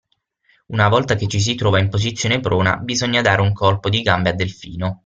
Una volta che ci si trova in posizione prona bisogna dare un colpo di gambe a delfino.